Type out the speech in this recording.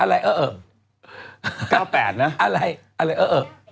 อะไรอะไรเอ่อ